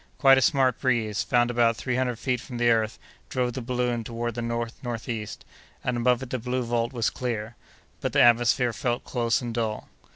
Quite a smart breeze, found about three hundred feet from the earth, drove the balloon toward the north northeast; and above it the blue vault was clear; but the atmosphere felt close and dull.